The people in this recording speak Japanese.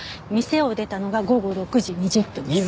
店を出たのが午後６時２０分です。